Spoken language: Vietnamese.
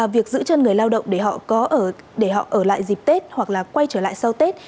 việc giữ chân người lao động để họ ở lại dịp tết hoặc quay trở lại sau tết